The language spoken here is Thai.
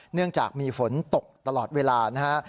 เนื่องจากมีฝนตกตลอดเวลานะฮะ